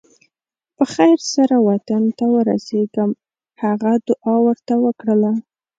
په خیر سره وطن ته ورسېږم هغه دعا ورته وکړله.